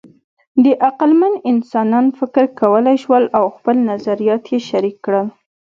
د عقلمن انسانان فکر کولی شول او خپل نظریات یې شریک کړل.